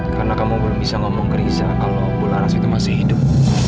karena kamu belum bisa ngomong ke riza kalau bulan ras itu masih hidup